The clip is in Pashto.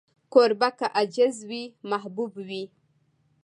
کوربه که عاجز وي، محبوب وي.